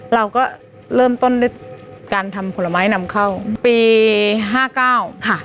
เราก็เริ่มต้นการทำผลไม้นำเข้าปีห้าเก้า